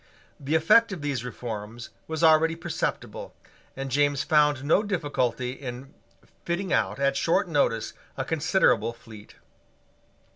The effect of these reforms was already perceptible; and James found no difficulty in fitting out, at short notice, a considerable fleet.